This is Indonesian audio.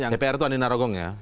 yang dpr itu andi narogong ya